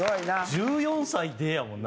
１４歳でやもんな。